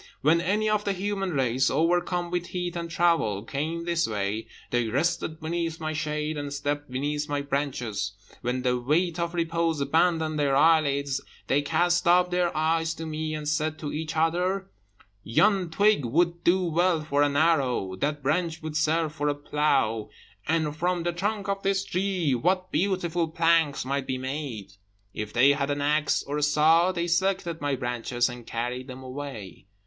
When any of the human race, overcome with heat and travel, came this way, they rested beneath my shade, and slept beneath my branches; when the weight of repose abandoned their eyelids, they cast up their eyes to me, and said to each other, 'Yon twig would do well for an arrow; that branch would serve for a plough; and from the trunk of this tree what beautiful planks might be made!' If they had an axe or a saw, they selected my branches, and carried them away.